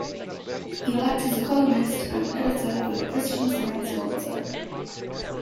He worked as a columnist and editor for "The Christian Science Monitor".